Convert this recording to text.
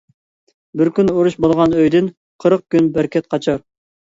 بىر كۈن ئۇرۇش بولغان ئۆيدىن، قىرىق كۈن بەرىكەت قاچار.